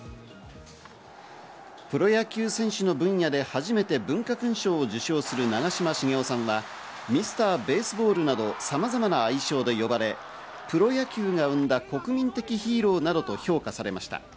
プロ野球選手の分野で初めて文化勲章を受章する長嶋茂雄さんは、ミスター・ベースボールなどさまざまな愛称で呼ばれ、プロ野球が生んだ国民的ヒーローなどと評価されました。